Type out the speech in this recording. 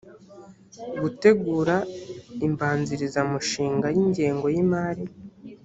gutegura imbanzirizamushinga y ingengo y imari